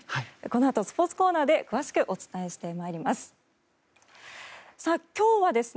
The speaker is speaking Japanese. このあとスポーツコーナーで詳しくお伝えします。